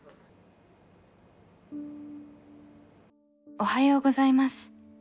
「おはようございます」。